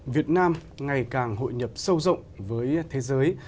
việt nam ngày càng hội nhập sâu rộng với thế giới